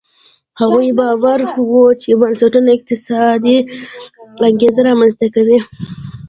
هغوی باوري وو چې بنسټونه اقتصادي انګېزې رامنځته کوي.